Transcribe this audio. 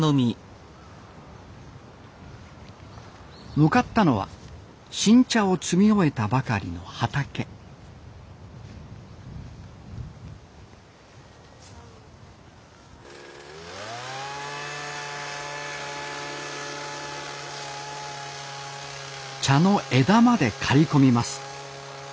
向かったのは新茶を摘み終えたばかりの畑茶の枝まで刈り込みます。